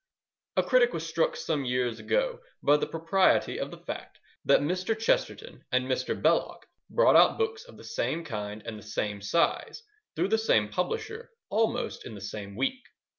A critic was struck some years ago by the propriety of the fact that Mr. Chesterton and Mr. Belloc brought out books of the same kind and the same size, through the same publisher, almost in the same week.